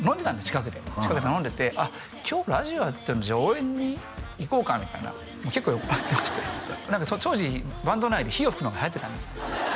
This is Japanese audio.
近くで近くで飲んでてあっ今日ラジオやってるじゃあ応援に行こうかみたいなもう結構酔っぱらってまして何か当時バンド内で火をふくのがはやってたんです